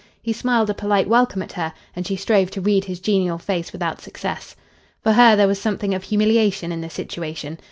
He smiled a polite welcome at her, and she strove to read his genial face without success. For her there was something of humiliation in the situation.